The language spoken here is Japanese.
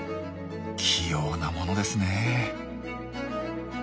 器用なものですねえ。